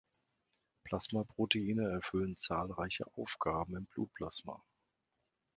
Plasmaproteine erfüllen zahlreiche Aufgaben im Blutplasma.